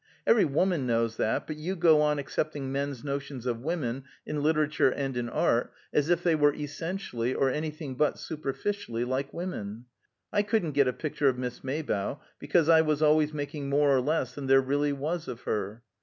Every woman knows that, but you go on accepting men's notions of women, in literature and in art, as if they were essentially, or anything but superficially, like women. I couldn't get a picture of Miss Maybough because I was always making more or less than there really was of her.